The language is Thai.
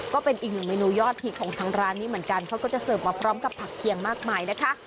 ก็เป็นอีกหนึ่งเมนูยอดฮิตของทางร้านนี้เหมือนกันเขาก็จะเสิร์ฟมาพร้อมกับผักเคียงมากมายนะคะ